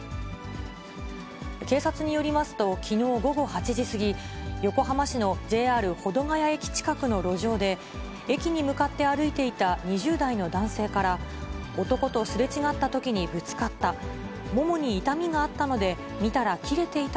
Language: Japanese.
警察によりますと、きのう午後８時過ぎ、横浜市のＪＲ保土ケ谷駅近くの路上で、駅に向かって歩いていた２０代の男性から、男とすれ違ったときにぶつかった。